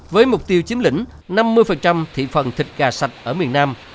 với mục tiêu chiếm lĩnh năm mươi thị phần thịt gà sạch ở miền nam